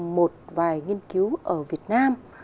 một vài nghiên cứu ở việt nam